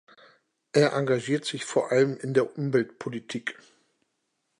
Er engagiert sich vor allem in der Umweltpolitik.